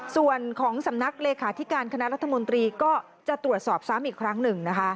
ส่วนของสำนักเลขาธิการคณะรัฐมนตรีก็จะตรวจสอบซ้ำอีกครั้งหนึ่งนะคะ